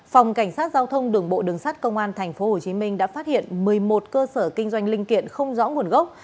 phòng cảnh sát giao thông đường bộ đường sát công an thành phố hồ chí minh đã phát hiện một mươi một cơ sở kinh doanh linh kiện không rõ nguồn gốc